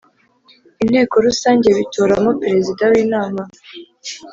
Inteko Rusange bitoramo Perezida w inama